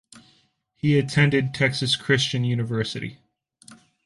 He attended Texas Christian University.